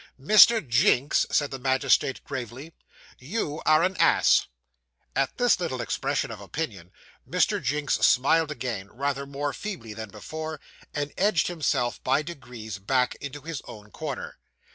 'Mr. Jinks,' said the magistrate gravely, 'you are an ass.' At this little expression of opinion, Mr. Jinks smiled again rather more feebly than before and edged himself, by degrees, back into his own corner.